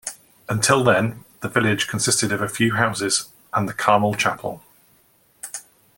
Until then, the village consisted of a few houses and the Carmel chapel.